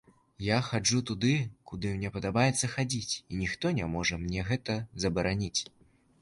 Я хаджу туды, куды мне падабаецца хадзіць, і ніхто не можа мне гэта забараніць.